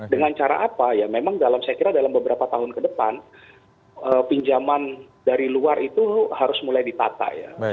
dengan cara apa saya kira dalam beberapa tahun ke depan pinjaman dari luar itu harus mulai ditentukan